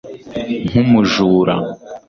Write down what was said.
nkumujura